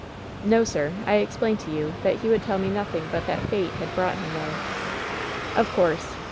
"No, sir. I explained to you that he would tell me nothing but that fate had brought him there." "Of course.